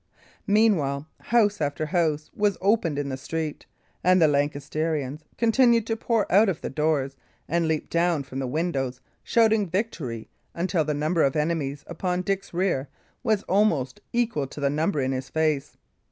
Meanwhile house after house was opened in the street, and the Lancastrians continued to pour out of the doors and leap down from the windows, shouting victory, until the number of enemies upon Dick's rear was almost equal to the number in his face.